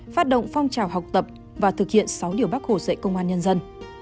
phát động phong trào học tập và thực hiện sáu điều bác hồ dạy công an nhân dân